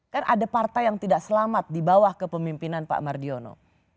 kan ada partai yang tidak selamat di bawah kepemimpinan pak mardiono